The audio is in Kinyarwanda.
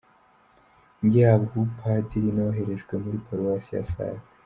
Ngihabwa ubupadiri, noherejwe muri Paruwasi ya Save.